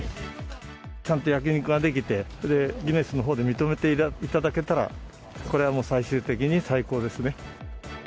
ちゃんと焼き肉ができて、ギネスのほうで認めていただけたら、これはもう最終的に最高ですね。